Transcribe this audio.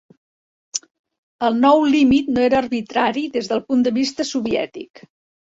El nou límit no era arbitrari des del punt de vista soviètic.